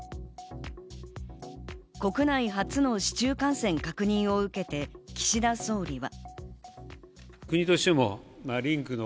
国内初の市中感染確認を受けて岸田総理は。